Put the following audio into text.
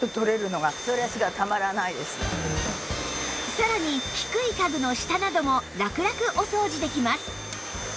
さらに低い家具の下などもラクラクお掃除できます